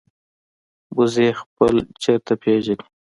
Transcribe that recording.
وزې خپل چرته پېژني